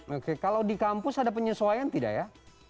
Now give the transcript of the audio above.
oke kalau di kampus ada penyesuaian tidak ya